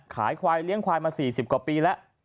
ขายควายเลี้ยงควายมาสี่สิบกว่าปีมาเหล็ก